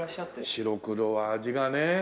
白黒は味がねえ。